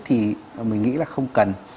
thì mình nghĩ là không cần